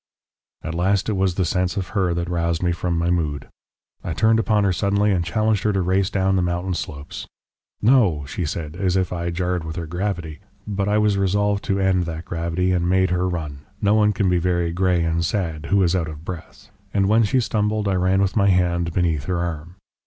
"At last it was the sense of her that roused me from my mood. I turned upon her suddenly and challenged her to race down the mountain slopes. 'No,' she said, as if I jarred with her gravity, but I was resolved to end that gravity, and made her run no one can be very grey and sad who is out of breath and when she stumbled I ran with my hand beneath her arm.